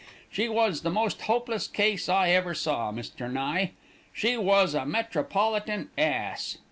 She was the most hopeless case I ever saw, Mr. Nye. She was a metropolitan ass.